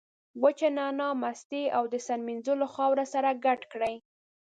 وچه نعناع، مستې او د سر مینځلو خاوره سره ګډ کړئ.